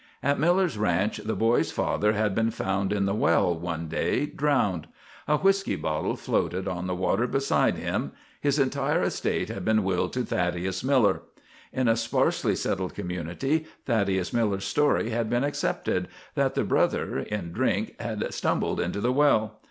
At Miller's ranch the boy's father had been found in the well one day, drowned. A whiskey bottle floated on the water beside him. His entire estate had been willed to Thaddeus Miller. In a sparsely settled community Thaddeus Miller's story had been accepted that the brother, in drink, had stumbled into the well.